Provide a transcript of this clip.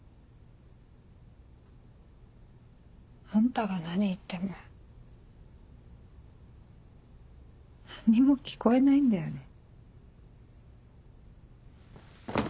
あんたが何言っても何にも聞こえないんだよね。